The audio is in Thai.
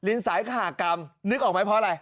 เรียนสายข่ากรัมนึกออกไหมเพราะอะไร